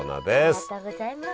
ありがとうございます。